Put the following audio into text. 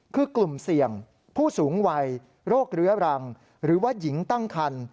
คือกลุ่มเสี่ยงผู้สูงวัยโรคเรื้อรังหรือว่าหญิงตั้งคัน